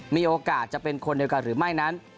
มีโอกาสจะเป็นคนเดียวกันหรือไม่นั้น